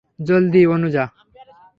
জলদি, অনুযা!